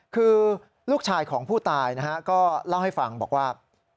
คือลูกชายของผู้ตายนะฮะก็เล่าให้ฟังบอกว่า